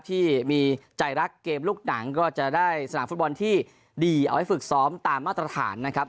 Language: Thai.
ที่มีใจรักเกมลูกหนังก็จะได้สนามฟุตบอลที่ดีเอาไว้ฝึกซ้อมตามมาตรฐานนะครับ